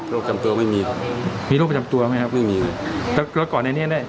จำตัวไม่มีมีโรคประจำตัวไหมครับไม่มีแล้วแล้วก่อนในเนี้ยเนี้ย